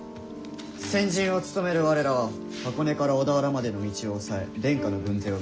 先陣を務める我らは箱根から小田原までの道をおさえ殿下の軍勢を迎えることである。